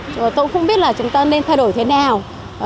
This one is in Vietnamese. rồi tôi cũng không biết là chúng ta nên thay đổi thế nào